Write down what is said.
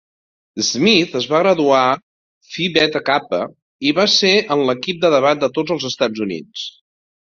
Smith es va graduar Phi Beta Kappa i va ser en l'equip de debat de tots els Estats Units.